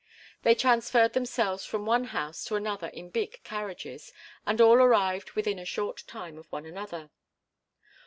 They transferred themselves from one house to another in big carriages, and all arrived within a short time of one another.